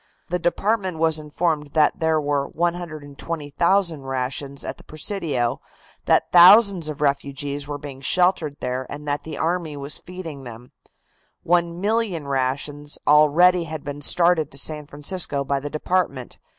The department was informed that there were 120,000 rations at the Presidio, that thousands of refugees were being sheltered there and that the army was feeding them. One million rations already had been started to San Francisco by the department.